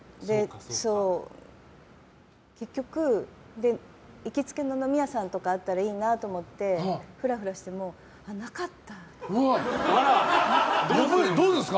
結局、行きつけの飲み屋さんとかあったらいいなと思ってふらふらしても、なかった。